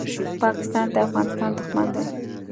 پاکستان د افغانستان دښمن دی.